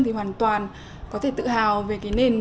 thì hoàn toàn có thể tự hào về cái nền